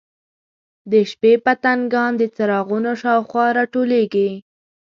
د شپې پتنګان د څراغونو شاوخوا راټولیږي.